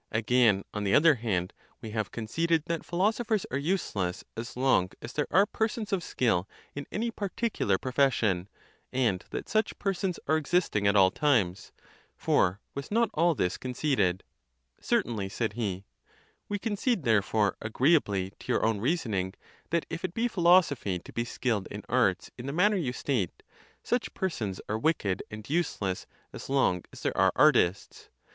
Again, on the other hand, we have conceded that philosophers are useless, as long as there are per sons of skill in any particular profession ; and that such per sons are existing at all times. For was not all this conceded ? —Certainly, said he.—We concede, therefore, agreeably to your own reasoning, that if it be philosophy to be skilled in arts in the manner you state, such* persons are wicked and useless as long as there are artists.